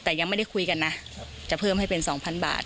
แต่ยังไม่ได้คุยกันนะจะเพิ่มให้เป็น๒๐๐บาท